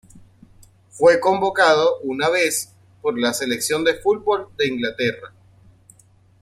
Fue convocado una vez por la selección de fútbol de Inglaterra.